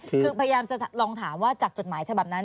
คือพยายามจะลองถามว่าจากจดหมายฉบับนั้น